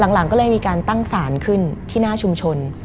หลังก็เลยมีการตั้งสารขึ้นที่หน้าชุมชน